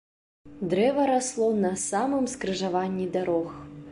Дрэва расло на самым скрыжаванні дарог.